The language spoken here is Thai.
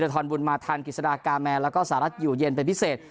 ทรบุญมาทันกิจสดากาแมนแล้วก็สหรัฐอยู่เย็นเป็นพิเศษ